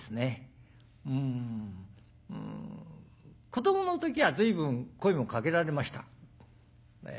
子どもの時は随分声もかけられました。